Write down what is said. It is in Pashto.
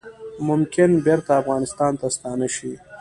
ممکن بیرته افغانستان ته ستانه شي